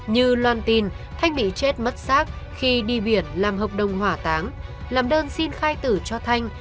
như loan tin thành bị chết mất giác khi đi viện làm hợp đồng hỏa táng làm đơn xin khai tử cho thanh